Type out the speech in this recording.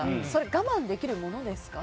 我慢できるものですか？